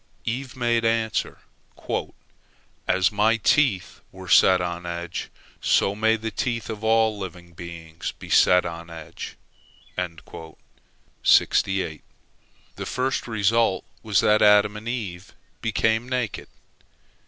Eve made answer, "As my teeth were set on edge, so may the teeth of all living beings be set on edge." The first result was that Adam and Eve became naked.